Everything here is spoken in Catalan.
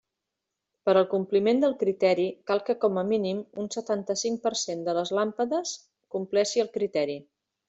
Per al compliment del criteri cal que com a mínim un setanta-cinc per cent de les làmpades compleixi el criteri.